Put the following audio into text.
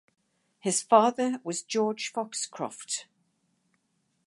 His father was George Foxcroft.